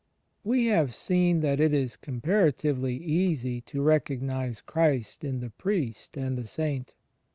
We have seen that it is comparatively easy to recog nize Christ in the Priest and the Saint.